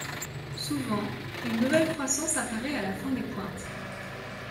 Souvent, une nouvelle croissance apparaît à la fin des pointes.